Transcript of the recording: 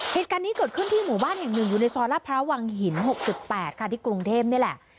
เหตุการณ์นี้เกิดขึ้นที่หมู่บ้านแห่งหนึ่งอยู่ในซอยลาดพร้าวังหิน๖๘ค่ะที่กรุงเทพนี่แหละ